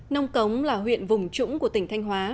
nông cống là huyện vùng trũng của tỉnh thanh hóa